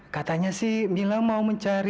katanya sih mila mau mencari